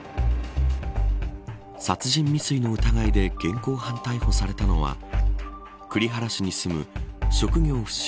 殺人未遂の疑いで現行犯逮捕されたのは栗原市に住む職業不詳